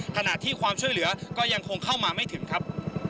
ขณะที่ความช่วยเหลือก็ยังคงเข้ามาไม่ถึงครับ